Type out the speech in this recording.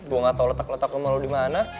gue gak tau letak letak rumah lo dimana